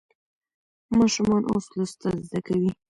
ماشومان اوس لوستل زده کوي.